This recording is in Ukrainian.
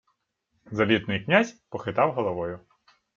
Залітний князь похитав головою: